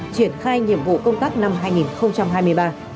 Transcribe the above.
triển khai nhiệm vụ công tác năm hai nghìn hai mươi ba